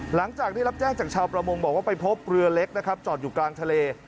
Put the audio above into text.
หลังจากได้รับแจ้งจากชาวประมงบอกว่าไปพบเรือเล็กนะครับจอดอยู่กลางทะเล